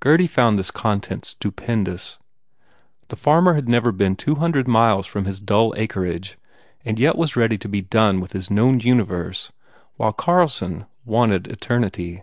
Gurdy found this content stupendous. The farmer had never been two hundred miles from his dull acreage and yet was ready to be done with his known universe while Carlson wanted eternity.